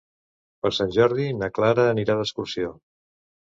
Per Sant Jordi na Clara anirà d'excursió.